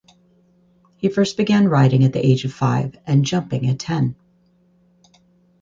He first began riding at the age of five and jumping at ten.